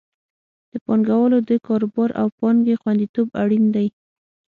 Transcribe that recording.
د پانګوالو د کاروبار او پانګې خوندیتوب اړین دی.